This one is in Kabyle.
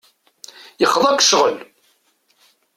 Yexḍa-k ccɣel.